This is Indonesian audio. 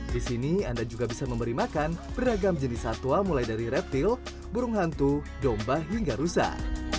di sini anda juga bisa memberi makan beragam jenis satwa mulai dari reptil burung hantu domba hingga rusak